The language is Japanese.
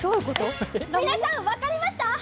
皆さん、分かりました？